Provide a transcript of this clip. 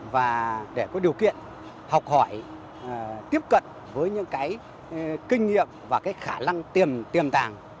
và để có điều kiện học hỏi tiếp cận với những kinh nghiệm và khả năng tiềm tàng